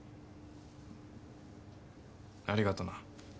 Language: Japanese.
ありがとな。